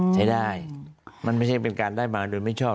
ใช้ได้มันไม่ใช่เป็นการได้มาโดยไม่ชอบ